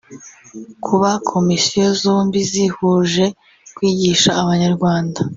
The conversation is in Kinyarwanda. Kuba komisiyo zombi zihuje kwigisha abanyarwanda